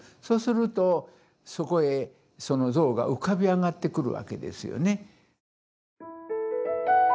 そうするとそこへその像が浮かび上がってくるわけですよね。